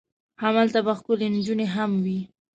همالته به ښکلې نجونې هم وي.